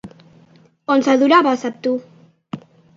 On s'adorava a Septu?